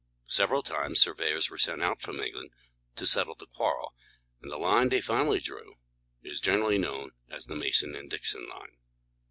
Several times surveyors were sent out from England to settle the quarrel, and the line they finally drew is generally known as the Mason and Dixon line.